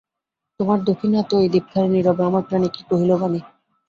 তোমার দখিন হাতে ওই দীপখানি, নীরবে আমার প্রাণে কি কহিল বাণী।